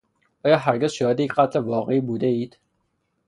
آیا هرگز شاهد یک قتل واقعی بودهاید؟